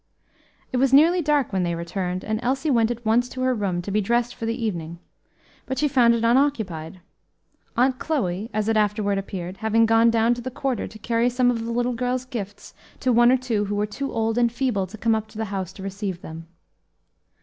It was nearly dark when they returned, and Elsie went at once to her room to be dressed for the evening. But she found it unoccupied Aunt Chloe, as it afterward appeared, having gone down to the quarter to carry some of the little girl's gifts to one or two who were too old and feeble to come up to the house to receive them.